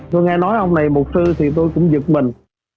tôi nghe nói ông này mục sư thì tôi cũng giật mình